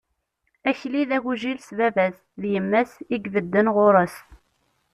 Akli d agujil s baba-s, d yemma-s i ibedden ɣur-s.